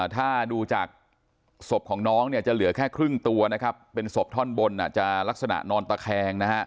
ถ้าดูจากศพของน้องเนี่ยจะเหลือแค่ครึ่งตัวนะครับเป็นศพท่อนบนจะลักษณะนอนตะแคงนะฮะ